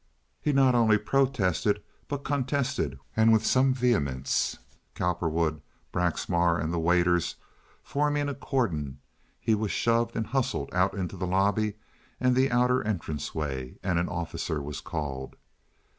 He not only protested, but contested, and with some vehemence. Cowperwood, Braxmar, and the waiters forming a cordon, he was shoved and hustled out into the lobby and the outer entranceway, and an officer was called.